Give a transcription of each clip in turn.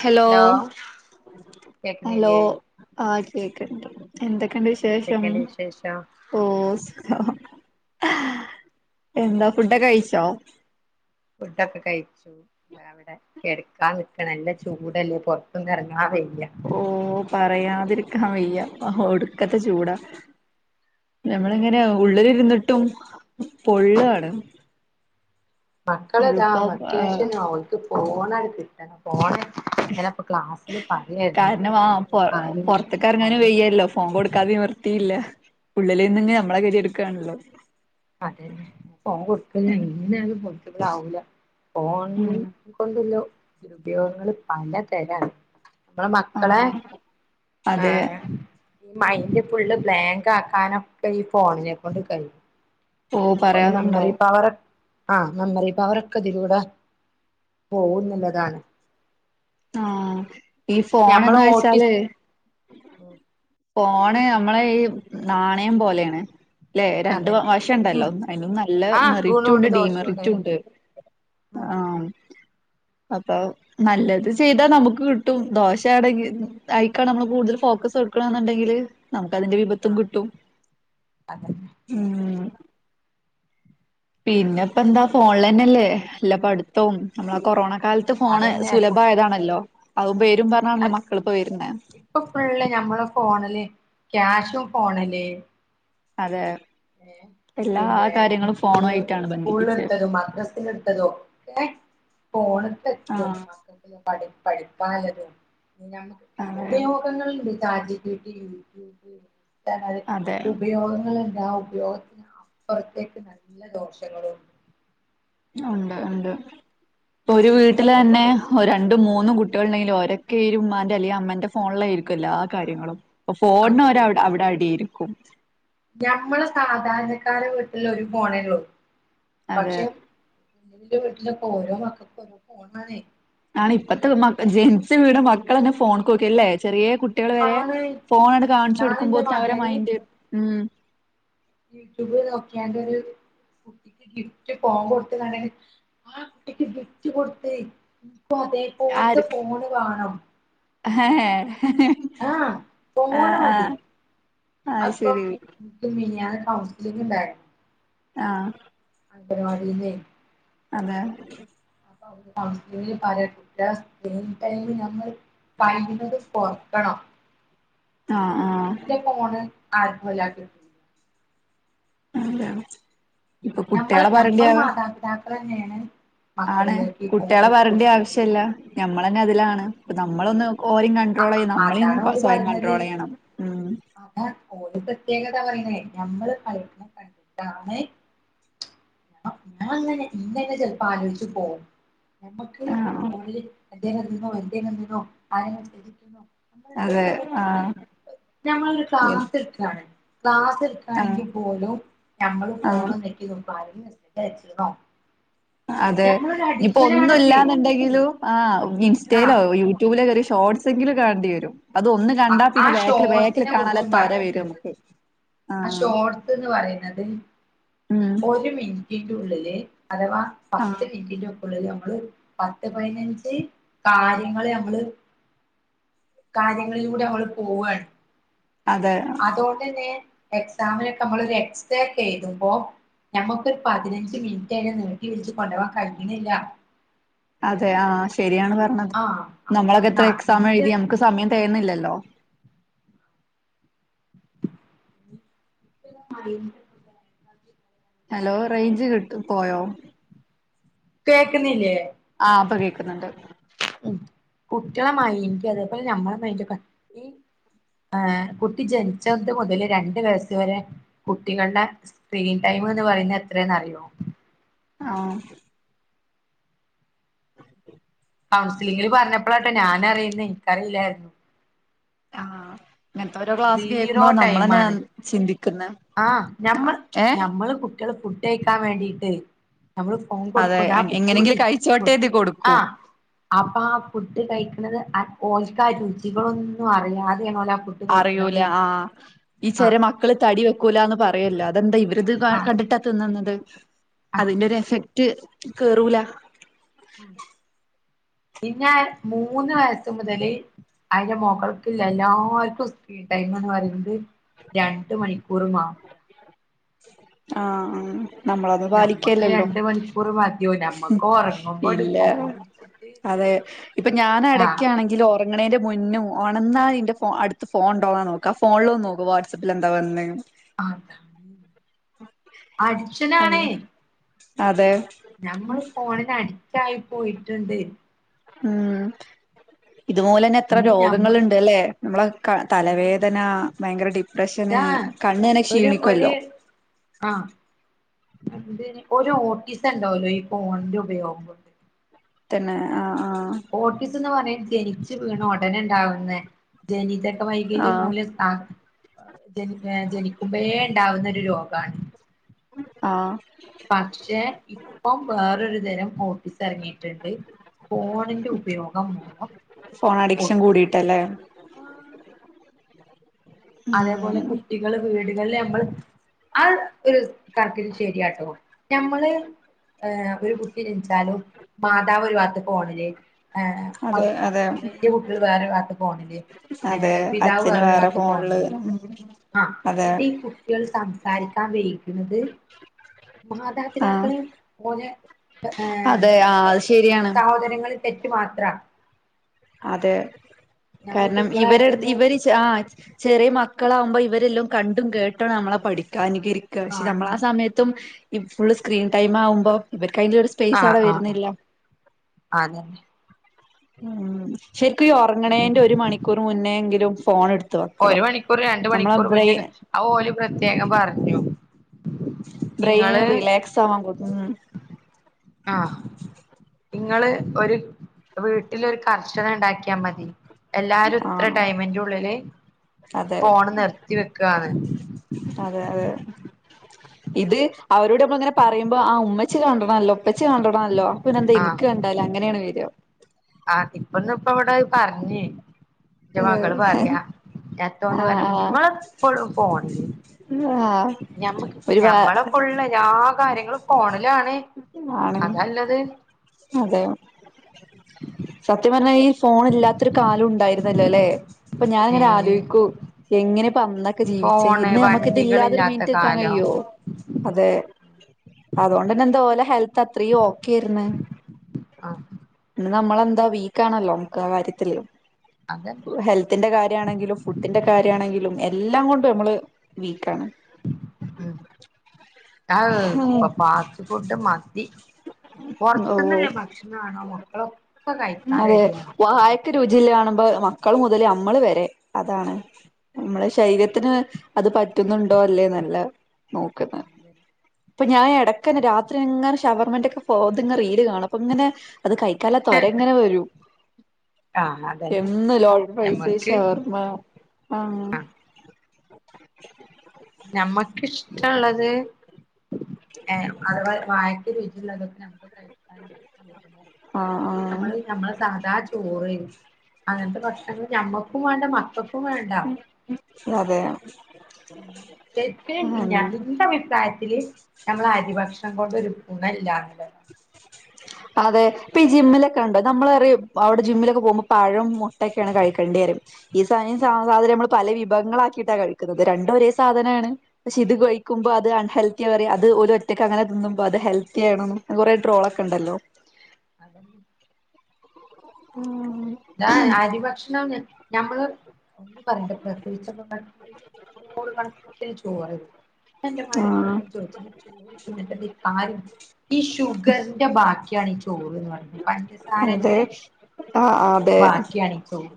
Hello hello കേക്കുന്നില്ലേ ആഹ് കേക്കണ്ട് എന്തൊക്കെയണ്ട് വിശേഷം എന്തൊക്കെയുണ്ട് വിശേഷം ഓ എന്താ ഫുഡ കഴിച്ചോ? ഫുഡൊക്കെ കഴിച്ചു അ അവിടെ കിടക്കാൻ നിക്കണ നല്ല ചൂടല്ലേ പൊറത്തും ഇറങ്ങാൻ വയയ്യ ഓ പറയാതിരിക്കാൻ വയ്യ ഒടുക്കത്തെ ചൂടാ ഞങ്ങളിങ്ങനെ ഉള്ളിലിരുന്നിട്ടും പൊള്ളാണ് മക്കളെതാ ഇതിപ്പോ ഏഹ് വെക്കേഷനാവോണ്ട് അവൾക്ക് പോണടു കിട്ടണം ഫോണ് ഇങ്ങനെ ക്ലാസ്സില് പറയായിരുന്നു കാൽ - ക്കാർങ്ങാനും വെയ്യല്ലോ ഫോം കൊടുക്കാതെ നിവർത്തിയില്ല ഉള്ളിൽ നിന്ന നമ്മളെ കേദിയെടുകയാണല്ലോ അതന്നെ പോ കൊടുക്ക ഉം ഇങ്ങനെയാലും പൊടുക്ക്പള ആവൂല ഫോൺ ഉം കൊണ്ടുള്ള ദുരുപയോഗങ്ങള് പലതരാണ് നമ്മളെ മക്കളെ ആഹ് അതെ ഏഹ് മൈൻഡ് ഫുള്ള് ബ്ലാങ്ക് ആക്കാനൊക്കെ ഈ ഫോണിനെ കൊണ്ട് കഴിയും ഓ ഒരു പറയാനുണ്ടോ മെമ്മറി പവർ- ആഹ് മെമ്മറിപ്പവർക്ക തിലൂടെ പോകുന്നുള്ളതാണ് ആഹ് ഈ ഞമ്മള് ഫോൺന്ന് ഓട്ടിസ് വെച്ചാല് ഫോണ് നമ്മള ഈ നാണയം പോലെയാണ് ല്ലെ രണ്ട് അതന്നെ ഉം വശണ്ടല്ലോ ഒ അതിനും നല്ല ആഹ് മെറിറ്റുണ്ട് ഗുണുണ്ട് ദോഷുണ്ട് ഡീമെറിറ്റുണ്ട് ഉം ആഹ് അപ്പൊ നല്ലത് ചെയ്താൽ നമുക്ക് കിട്ടും ദോശയാണെങ്കിൽ അയിക്ക നമ്മൾ കൂടുതൽ ഫോക്കസ് കൊടുക്കണെന്നുണ്ടെങ്കില് നമുക്കതിന്റെ വിപത്തും ആഹ് കിട്ടും അതന്നെ ഉം പിന്നെ പ്പ ന്താ ഫോണിലന്നെല്ലേ അല്ലപ്പ അടുത്തവും നമ്മള കൊറോണ കാലത്ത് ഫോണ് അതന്നെ സുലഭമായതാണല്ലോ അത പേരും പറഞ്ഞാണല്ലോ മക്കളിപ്പോ വരുന്ന പ്പ ഫുള്ള് നമ്മള് ഫോണില് ക്യാഷും ഫോണില് അതെ എല്ലാ പിന്നെ കാര്യങ്ങളും പി ഫോണു ആയിട്ടാണ് സ്കൂളിൽ ബന്ധിപ്പിച്ചത് എടുത്തതും മദ്രസൽ എടുത്തതും ഒക്കെ പോണത്തെത്തും ആഹ് പഠിപ്പാനതും ഇ നമക്ക് അതെ ഉപയോഗങ്ങളണ്ട് ചാറ്റ് ജി പിടി അതെ ഉപയോഗങ്ങൾ ണ്ടാവും ലോകത്തിന് അപ്പുറത്തേക്ക് നല്ല ദോഷങ്ങളുംണ്ട് ഉണ്ട് ഉണ്ട് ഇപ്പ ഒരു വീട്ടില് ന്നെ ഇന്നലെപ്പൊക്കെ ഓ രണ്ടും മൂന്നും കുട്ടികൾ ഉണ്ടെങ്കിലും ഒരക്കെ ഈ ഉമ്മാന്റെ അല്ലെങ്കിൽ അമ്മേന്റെ ഫോണില യിരിക്കും എല്ലാ കാര്യങ്ങളും ഫോണ ഒരാ വിടെ അടിയായിരിക്കും ഞമ്മള് സാധാരണക്കാരടെ വീട്ടില ഒരു പോണേള്ളൂ അതെ പക്ഷെ ന്റെ വീട്ടിലൊക്കെഓരോ മക്കൾക്ക് ഓരോ ഫോണണേ ആ ഇപ്പത്തെ മ ജെൻസ് വീട് മക്കളന്നെ ഫോൺോക്കകല്ലേ ചെറിയ കുട്ട- ട്ടികൾ വരെ ആണ് ഫോണട് കാണിച്ചു ഞാനെന്റെ കൊടുക്കുമ്പോത്തന്നെ അവരെടെ മകന് മൈന്ഡറ് ഉം യൂട്യൂബ് നോക്കിയന്റെ ഒരു കുട്ടിക്ക് ഗിഫ്റ്റ് കൊമ്പ ടുത്തതാണെങ്കിൽ ആ കുട്ടിക്ക് ഗിഫ്റ്റ് കൊടുത്ത് ഇപ്പോ അതേപലത്തെ ഫോണ് വേണം അഹ ഹേ ആഹ് ഫോണ് മതി അത് അപ്പം ശരി എക്ക് മിനിയാന കൗൺസിലിംഗ് ണ്ടായിരുന്നു ആഹ് അംഗൻവാടില്ലേ അതെ ട്ട നമ്മൾ സ്ക്രീൻ ടൈം നമ്മള് പറേണത് കോർക്കണം ആഹ് ആഹ് പോണ് ആത്ഭല്ലാക് [unintelligible] ഇപ്പൊ ഞമ്മള് കുട്ടികളെ ഞമ്മള് പറഞ്ഞിട്ട് മാതാപിതാക്കള് തന്നെയോണ് ആണ് കുട്ടിളെ പറഞ്ഞിണ്ട് ആവിശ്യല്ലാ ഞമ്മളന്നെ അയ്ലാണ് നമ്മളൊന്ന് കോരി കണ്ട്രോള് ചെയ്യണം നമ്മള് അതാണ് ഇന്ന് ഓല് സോയം പറീണത് കണ്ട്രോള് ചെയ്യണം ഉം അതാ ഒര് പ്രത്യേകതാ [unintelligible] ഞമ്മള് [unintelligible] കണ്ടിട്ടാണ് [inaudible] ആഹ് [inaudible] അതെ ആഹ് [unintelligible] ഞമ്മളേ [unintelligible] ക്ലാസ് ആഹ് എടുക്കാണെങ്കി പോലും ഞമ്മള് ആഹ് ഫോണും നെക്കി [unintelligible] [unintelligible] അതെ ഞമ്മളൊരു ഇനിപ്പോ ഒന്നും അഡിക്ഷനാണത് ഇല്ലന്ന്ണ്ടാങ്കിലും ആഹ് ആ ഇൻസ്റ്റയിലോ യൂട ട്യൂബിലേ കേറി ഷേർട്ട്സ് എങ്കിലും കാണ്ടി വേരും അത് ഒന്ന് കണ്ടാ ആ പിന്നെ ബാക്കില് ബാക്കില് ഷോർട്സിനെ കാണാന് തൊരാ വേരും ആഹ് ഷോട്ട്സ് എന്ന് പറയന്നാത് ഉം ഒര് മിനിറ്റിന് ഉള്ളില് അഥവാ ആഹ് പത്ത് മിനിറ്റ് ഉള്ളില് ഞമ്മള് പത്ത് പതിനഞ്ച് കാര്യങ്ങള് ഞമ്മള് കാര്യങ്ങളിലൂടെ ഞമ്മള് പോവാണ് അതെ അതുകൊണ്ടന്നെ എക്സാമിനൊക്കെ ഞമ്മള് എക്സേക്കേ എഴ്തുമ്പോ ഞമ്മുക്ക് ഒരു പതിനഞ്ച് മിനിറ്റ് നീട്ടി വലിച്ച് കൊണ്ട് പോവാൻ കയിന്നില്ലാ അതെ ആഹ് ശെരിയാണ് പറഞ്ഞത് ആഹ് ഞമ്മളൊക്കെ എത്ര ആഹ് എക്സാം ഇതിന്റെ എഴുതി ഞമ്മക്ക് സമയം തേകയിന്നില്ലാ [unintelligible] ഹലോ റേയ്ഞ്ച് കിട്ടി പോയോ കേക്ക്ന്നില്ലേ ആഹ് ഇപ്പേ കേക്ക്ന്ന് ഇണ്ട് ഉം കുട്ടികളെ [unintelligible] അതേപോലെ ഞമ്മളെ [unintelligible] ആഹ് കുട്ടി ജെനിച്ചത് മൊതല് രണ്ട് വയസ്സ് വേരെ കുട്ടികള്ടെ സ്ക്രീൻ ടൈം എന്ന് പറയ്ന്നത് എത്രയാന്ന് അറിയോ ആഹ് [unintelligible] പറഞ്ഞപ്പോളാ ആട്ടോ ഞാൻ അറിയ്ന്നൊ എനിക്കറിയില്ല ആഹ് ഇങ്ങനത്തെ ഓരോ ക്ലാസ് സീറോ കേക്ക്മ്പാള ടൈം നമ്മളന്നെയാ ആണ് ചിന്തിക്കന്നേ ആഹ് ഞമ്മള് ഞമ്മള് കുട്ടികള് ഫുഡ് കയിക്കാൻ വേണ്ടിട്ട് ഞമ്മള് അതെ [unintelligible] പിടിച്ചുകൂടി എങ്ങനെങ്കിലും കഴിച്ചോട്ടെ കരുതി കൊടുക്കും ആഹ് അപ്പൊ ആഹ് ഫുഡ് കഴിക്കണത് ഓക്ക് രുചികളൊന്നും അറിയാതെ [unintelligible] ആഹ് ഫുഡ് കഴിക്കണത് അറിയൂല്ലാ ആഹ് ഈ ചെര ആഹ് മക്കള് തടി വെക്കൂല്ലാ എന്ന് പറയല്ലോ അതെന്താ ഇവര് ഇത് ആഹ് കണ്ടിട്ടാ തിന്നന്നത് ആഹ് അതിന്റെ ഒര് എഫക്ട് കേറൂല്ലാ [inaudible] പിന്നാ മൂന്ന് വയസ്സ് മുതല് അയിന്റെ മോക്കൾക്ക് എല്ലാർക്കും സ്ക്രിം ടൈം എന്ന് പറയ്ന്നത് രണ്ട് മണിക്കൂറ് മാ ആഹ് ആഹ് നമ്മള് അത് പാലിക്ക്യാ ഞമ്മക്ക് അല്ലാ രണ്ട് മണിക്കൂർ മതിയോ ഉം ഞമ്മക്ക് ഉറങ്ങുമ്പോ ഒരു ഇല്ല ഫോൺ പിടിച്ചിട്ട് അതെ ഇപ്പൊ ഞാന് ആകും അടക്കാണെങ്കിലേ എങ്ങണേന്റെ മുന്നും ഓണാന്നാല് എൻ്റെ ഫോ അടത്ത് ഫോൺ ഉണ്ടൊവാന്ന് നോക്കും ഫോണില് നോക്കും വാട്സപ്പിലും എന്താ വന്നേന്ന് ആഹ് അടിഷാനണേ അങ്ങെ അതെ ഞമ്മള് ഫോണിന് അടിറ്റ് ആയി പോയിട്ട്ണ്ട് ഉം ഇതുലെ തന്നെ എത്ര ഇനി ഞമ്മ രോഗങ്ങള് ഇണ്ട് അല്ലേ നമ്മളെ തലവേദന ബയങ്കര ഡിപ്രഷന് ഇതാ കണ്ണ് ങ്ങനെ ഒരു ഒരു ക്ഷീണിക്കുമല്ലോ ആഹ് എതി ഒരു ഓട്ടിസം ഉണ്ടാവല്ലോ ഈ ഫോണിന്റെ ഉപയോഗം തന്നെ ആഹ് ആഹ് ഓട്ടിസം എന്ന് പറഞ്ഞ ജനിച്ചു വീണ ഉടനെ ഉണ്ടാവുന്ന ജനിതക വൈകല്യം ആഹ് മൂലം ജനിക്കുമ്പോഴേ ഉണ്ടാവുന്ന ഒരു രോഗം കാൺ ആഹ് പശേ ഇപ്പം വേറൊരു തരം ഓട്ടിസം എറങ്ങിയിട്ട് ഇണ്ട് ഫോണിന്റെ ഉപയോഗം മൂലം ഫോൺ അഡിക്ഷൻ കൂടിയിട്ടല്ലേ ഓട്ടിസം അതേപോലെ ഉം കുട്ടികള് വീടുകളില് നമ്മള് ആത് ഒരു കണക്കിന് ശരിയാട്ടോ ഞമ്മള് ഏഹ് ഒരു കുട്ടി ജനിച്ചാലും മാതാവ് ഒരു വാത്ത് ഫോണില് അതെ അതെ വലിയ കുട്ടികൾ വേറൊരു വാത്ത് ഫോണില് അതെ പിതാവ് അച്ഛന് വേറൊരു വേറെ വാത്ത് ഫോണില് ആഹ് അതെ എന്നിട്ട് കുട്ടികൾ സംസാരിക്കാൻ ഇരിക്കുന്നത് ആഹ് മാതാപിതാക്കൾ മന്ന് ഏഹ് അതെ ആ അത് ശരിയാണ് സഹോദരങ്ങളിൽ തെറ്റ് മാത്രം അതെ ഞമ്മൾ കാരണം ഇവരെടുത്ത് കുട്ടികളായിട്ടൊന്ന് ഇവരി ആ്ഹ് ചെറിയ മക്കളാവുമ്പോ ഇവരെല്ലാം കണ്ടും കേട്ടും നമ്മളെ പഠിക്കാനനുകരിക്ക പക്ഷെ ആണ് നമ്മള ആഹ് സമയത്തും ഈ ഫുള് സ്ക്രീൻ ടൈം ആവുമ്പോൾ ഇവർക്ക് അതിന്റെ സ്പേസ് ആഹ് ആവടെ ആഹ് വരുന്നില്ല അതന്നെ ഉം ശരിക്കും എന്ത് ഉറങ്ങണേന്റെ ചെയ്യനാ ഒരു മണിക്കൂർ മുന്നേ എങ്കിലും ഫോൺ എടുത്ത് ഒരു വെക്കണം മണിക്കൂർ രണ്ട് നമ്മളെ മണിക്കൂർ ബ്രെയി പിന്നെ ആത് ഓൽ പ്രത്യേകം പറഞ്ഞു ബ്രെയിൻ ഇങ്ങള് റിലാക്സ് ആവാൻ കട്ടും ആഹ് ങ്ങള് ഒരു വീട്ടിലൊരു കർശന ണ്ടാക്കിയാ മതി എല്ലാരും ആ ഇത്ര ടൈമിന്റെ ഉള്ളില് അതെ ഫോണ് നിർത്തി വെക്കാന്ന് അതെ അതെ ഇത് അവരോട് നമ്മൾ ഇങ്ങനെ പറയുമ്പോ ആഹ് ഉമ്മച്ച കണ്ടണല്ലോ ഒപ്പച്ചി കണ്ടണല്ലോ ഇനന്ദ ആഹ് എനക്ക് കണ്ടാല്ല അങ്ങനെയാണ് വരുയോ ആഹ് ഇപ്പൊന്ന് ഇപ്പ അവിടെ പറഞ്ഞേ എൻ്റെ മകള് ആഹ് പറയാ ഞനിന്തോന്ന് ന പറഞ്ഞ നിങ്ങ ആഹ് എപ്പോഴും ഫോണിൽ ആഹ് ഞമ്മക്ക് ഒരു വ ഞമ്മളഫുള്ള് എല്ലാ കാര്യങ്ങളും ഫോണിലാണ് ആണ് അതല്ലത് അതെ സത്യംപറഞ്ഞ ഈ ഫോൺ ഇല്ലാത്തരു കാലം ഉണ്ടായിരുന്നല്ലോ അല്ലെ അപ്പൊ ഞാനിങ്ങനെ ഏഹ് ആലോചിക്കും എങ്ങനെപ്പന്ന ജീവിച്ചേ ഫോണ് ഇന്ന് നമക്ക് ഇത് ഇല്ലാതൊരു വണ്ടികളില്ലാത്ത മീൻറ്റ്ക്കാൻ കാലം കഴിയോ അതെ അതുകൊണ്ട്ന്നെ എന്താ ഓ ലെ ഹെൽത്ത് അത്രെ ആഹ് ഇന്ന് നമ്മളെന്താ വീക്കാണല്ലോ നമുക്ക് ആഹ് കാര്യത്തില് അതന്നെ ഹെൽത്തിന്റെ കാര്യമാണെങ്കിലും ഫുഡിന്റെ കാര്യമാണെങ്കിലും എല്ലാം കൊണ്ട് നമ്മള് വീക്കാണ് ഉം ആഹ് ഉം ഇപ്പൊ ഫാസ്റ്റ് ഫുഡ് മതി ഓഹ് പൊറത്തന്നില്ലേ ഭക്ഷണം ആണോ മക്കളും അതെ വായക്ക് രുചിള്ള കാണുമ്പോ മക്കള് മുതലേ നമ്മള് വരെ അതാണ് നമ്മള ശരീരത്തിന് അത് പറ്റുന്നുണ്ടോ അല്ലേ നല്ല നോക്കുന്ന അപ്പൊ ഞാൻ ഇടയ്ക്കന്ന രാത്രിങ്ങനെ ഷവർമെന്റൊക്കെ റീൽ കാണും അപ്പ ഇങ്ങനെ അത് കൈക്കാല്ലേ തൊരങ്ങനെ വരും ആഹ് അതന്നെ എന്നും ലോർഡഡ്ഫ്രയ്‌സ്സ് ഞമ്മക്ക് ശവർമ്മ ആഹ് നമ്മക്ക്ഷ്ടമുള്ളത് അതുപോലെ വായക്ക [unintelligible] ആഹ് പക്ഷെ നമ്മള് നമ്മള് സാദാ ചോറ് അങ്ങനത്തെ ഭക്ഷണങ്ങള് ഞമ്മക്കും വേണ്ട മക്കൾക്കും വേണ്ട അതെ [unintelligible] നമ്മള അരിഭക്ഷണം കൊണ്ട് ഒരു ഗുണ ഇല്ല [unintelligible] അതെ ഇപ്പൊ ഈ ജിമ്മിലൊക്കെ ഉണ്ടോ നമ്മൾ പറയും അവിടെ ജിമ്മിലൊക്കെ പോകുമ്പോൾ പഴം മുട്ടയൊക്കെയാണ് കഴിക്കണ്ടേ റയും. ഈ സെയിം സാധനം നമ്മൾ പല വിഭവങ്ങളാ ആാക്കിയിട്ടാ കഴിക്കുന്നത് രണ്ടും ഒരേ സാധനാണ്. പക്ഷെ ഇത് കഴിക്കുമ്പോ അത് അൺഹെൽത്തിയാ പറയും അത് ഓര് ഒറ്റയ്ക്ക് അങ്ങനെ തിന്നുമ്പോ അത് ഹെൽത്തി ആണന്ന്. കുറെേ ഡ്രോൾ ഒക്കെ ആഹ് ഉണ്ടല്ലോ? അതന്നെ ഉ ഞാൻ അരി ഭക്ഷണ ഞമ്മള് [unintelligible] [unintelligible] [unintelligible] ആഹ് ഈ ഷുഗർന്റ ബാക്കിയാണ് ഈ ചോറ് എന്ന് പറിയണേ പഞ്ചസാരന്റെ. ആ അ അതെ ബാക്കിയാണ് ഈ ചോറ്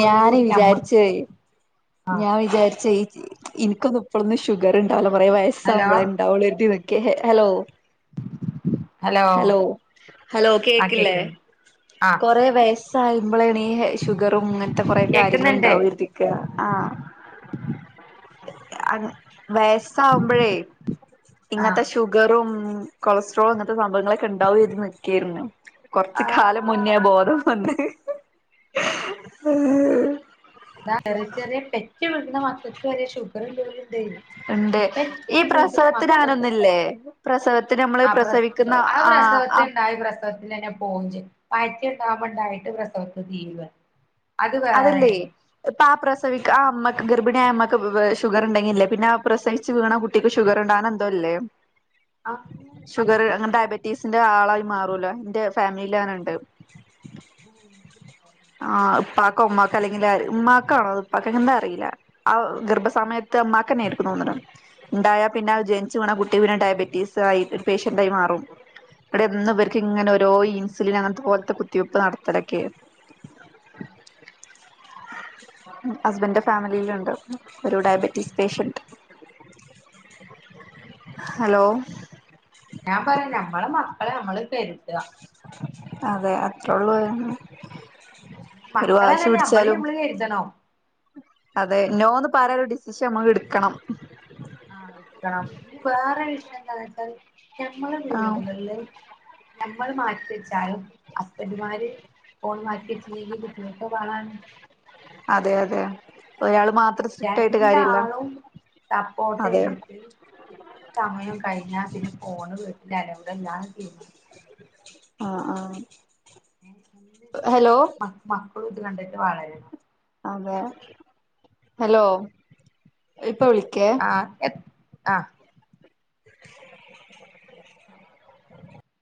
ഞാന് ഞമ്മ വിചാരിച്ചെ. ആ ഞാൻ വിചാരിചെ ഇനിക്കൊന്നും ഇപ്പഴൊന്നും ഷുഗർ ഉണ്ടാവില്ല കുറേ ഹലോ വയസ്സാവ്പളെ ഉണ്ടാവുള്ളു. കേ ഹലോ. ഹലോ ഹലോ ആ കേക്കില്ലേ കേക്കുന്നു ആ കൊറെ വയ സാ വ് പളാണ് ഈ ഷുഗറും ഇങ്ങനത്തെ കുറെ കാര്യങ്ങള കേക്കുന്നുണ്ട് ഉണ്ടാവു കരുതിരിക്കാണ്. ആഹ വയസാവുമ്പഴേ? ആ ഇങ്ങനത്തെ ഷുഗറും കൊളസ്ട്രോളും ഇങ്ങനത്തെ സംഭവങ്ങളൊക്കെ ഉണ്ടാവും എന്ന് കരുതി നികേരുന്നു. കൊറച്ച് ആ കാലം മുന്നേ ബോധം വന്നത്. ഇാ ചെറിയ ചെറിയ പെറ്റ് വീക്ണന്ന മകൾക്ക് വരെ ഷുഗർ [unintelligible] പെറ്റ് വീട്ടിലെ മക്കൾക്. ന്ന്ല്ലേ? പ്രസവത്തിന് നമ്മൾ ആ പ്ര ആ പ്രസവത്തിനിണ്ടായി പ്രസ പ്രസവത്തിൽ തന്നെ പോവും ചെയ്യും വയറ്റില്ണ്ടാവ് മ്പണ്ടായിട്ട് പ്രസവത്തിൽ തീരും. അതല്ലേ ഇപ്പൊ ആ പ്രസവി ആ അമ്മക്ക് ഗർഭിണിയായ അമ്മക്ക് ഷുഗർ ഉണ്ടെങ്കില്ലേ പിന്നെ ആ പ്രസവിച്ച് വീണ കുട്ടിക്ക് കുട്ടിക്ക് ഷുഗർ ഉണ്ട് എന്തോല്ലേ ഷുഗർ അങ്ങനെ ബറ്റി റ്റീസിന്റെ ആളായി മാറോലോ എന്റെ ഫാമിലിയിലങ്ങനണ്ട്. ആ ഉപ്പാക്ക ഉമ്മാക്ക അല്ലെങ്കിൽ ഉമമാക്കാണോ അ ഉപ്പാക്കൊ എന്താ അറിയില്ല. ഗർഭ സമയത്ത് ഉമ്മാക്കന്നെ എർക്കും തോന്നുണു ഉണ്ടായ പിന്നെ അത് ജ നിക്ക്ണ കുട്ടി പിന്നെ ഡയബറ്റീസ് ആയി പേഷ്യന്റായി മാറും. ഇവിടെ ഇവർക്ക് ഇങ്ങനെ ഓരോ ഇൻസുലിൻ അങ്ങനത്തെ പോലത്തെ കുത്തിവെപ്പ് നടത്തലൊക്കെയായിരുന്നു ഹസ്ബൻ്ന്റെ ഫാമിലിയിലുണ്ട്. ഒരു ഡയബറ്റീസ് പേഷ്യൻറ്. ഞാൻ പറയാ ഞമ്മളെ മക്കളെ നമ്മള് കെരുത. അതെ അത്ര ഒള്ളു. മക്കളേ ന്നല്ല നമ്മളി പിടിച്ചാലും നമ്മള് കരുതണം. അതെ നോ ഏ പറയാല ഒരു ഡിസിഷൻ നമ്മള് എടുക്കണം. ആഹ എടുക്കണം വേറെ ഒരു വിഷയെന്താന്ന് വെച്ചാൽ ഞമ്മള് ആഹ് വീടുകളില്. ഞമ്മൾ മാറ്റിവെച്ചാലും ഹസ്ബൻറുമാര്. ഫോൺ മാറ്റി വച്ചില്ലെങ്കിൽ കുട്ടികൾക്ക് വളാണ്. അതെ അതെ ഒരാള് മാത്രം സ്ട്രിക്ട് ആയിട്ട് കാര്യില്ല രണ്ടാളും സപ്പോർട്ട് അതെ. ചെയ്തിട്ട് ഇത്ര സമയം കഴിഞ്ഞാ പിന്നെ ഫോണ് വിട്ട് അലമ്പല്ലാതെ ആ ആ ഹലോ മ മക്കളു ഇത് കണ്ട്ട്ട് വളരണം അതെ ഹലോ ഇപ്പൊ വിളിക്കേ? ആഹ് [unintelligible] ആഹ്